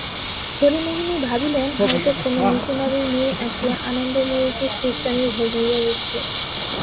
হরিমোহিনী ভাবিলেন হয়তো কোনো মিশনারির মেয়ে আসিয়া আনন্দময়ীকে খৃস্টানি ভজাইয়া গেছে।